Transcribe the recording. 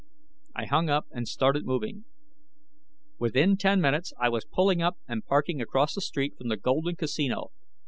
I hung up and started moving. Within ten minutes, I was pulling up and parking across the street from the Golden Casino.